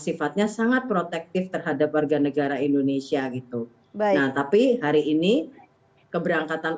sifatnya sangat protektif terhadap warga negara indonesia gitu nah tapi hari ini keberangkatan